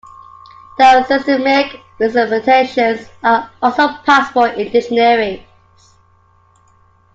Diasystemic representations are also possible in dictionaries.